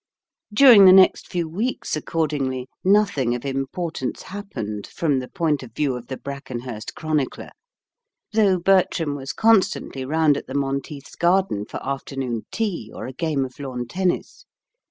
During the next few weeks, accordingly, nothing of importance happened, from the point of view of the Brackenhurst chronicler; though Bertram was constantly round at the Monteiths' garden for afternoon tea or a game of lawn tennis.